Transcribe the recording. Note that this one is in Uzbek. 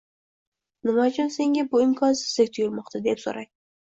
“nima uchun senga bu imkonsizdek tuyulmoqda?”, deb so‘rang.